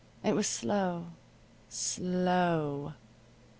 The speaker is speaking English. It was slow slow.